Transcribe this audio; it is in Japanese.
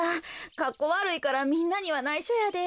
かっこわるいからみんなにはないしょやで。